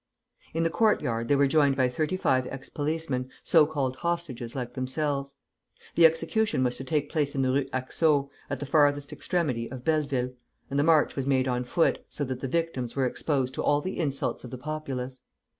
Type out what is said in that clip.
In the courtyard they were joined by thirty five ex policemen, so called hostages like themselves. The execution was to take place in the Rue Haxo, at the farthest extremity of Belleville, and the march was made on foot, so that the victims were exposed to all the insults of the populace.